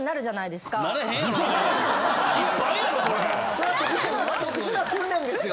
⁉それは特殊な訓練ですよ。